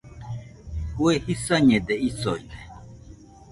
Kue jisañede isoide